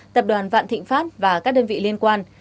tập đoàn vạn thịnh pháp và các đơn vị liên quan